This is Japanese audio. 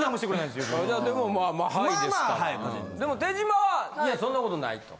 でも手島はいやそんなことないと。